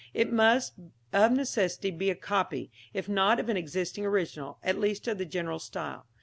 It must of necessity be a copy, if not of an existing original, at least of the general style.